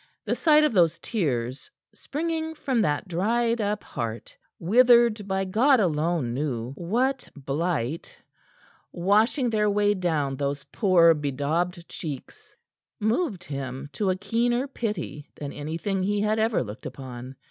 The sight of those tears, springing from that dried up heart withered by God alone knew what blight washing their way down those poor bedaubed cheeks, moved him to a keener pity than anything he had ever looked upon.